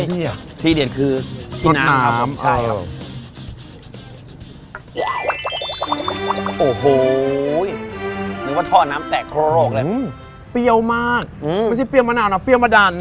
เพียวมากไม่ใช่เปรี้ยวมะนาวนะเปรี้ยวมะดันน่ะ